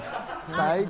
最高！